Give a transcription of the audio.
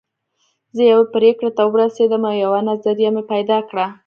زه يوې پرېکړې ته ورسېدم او يوه نظريه مې پيدا کړه.